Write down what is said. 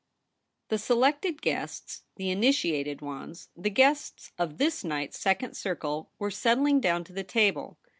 HE selected guests, the initiated ones, the guests of this night's second circle, were settling down to the table.